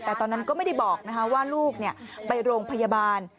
แต่ตอนนั้นก็ไม่ได้บอกว่าลูกไปโรงพยาบาล